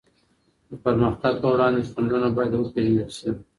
د پرمختګ په وړاندي خنډونه بايد وپېژندل سي.